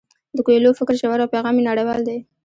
د کویلیو فکر ژور او پیغام یې نړیوال دی.